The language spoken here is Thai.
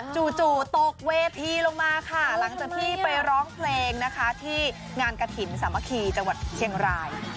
จู่ตกเวทีลงมาค่ะหลังจากที่ไปร้องเพลงนะคะที่งานกระถิ่นสามัคคีจังหวัดเชียงราย